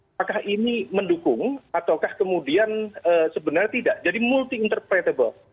apakah ini mendukung ataukah kemudian sebenarnya tidak jadi multi interpretable